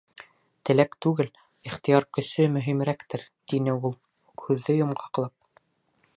Теләк түгел, ихтыяр көсө мөһимерәктер, — тине ул, һүҙҙе йомғаҡлап.